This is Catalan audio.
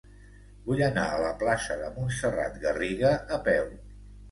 Vull anar a la plaça de Montserrat Garriga a peu.